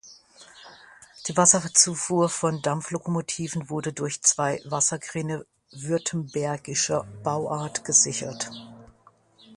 Die Wasserzufuhr von Dampflokomotiven wurde durch zwei Wasserkräne württembergischer Bauart gesichert.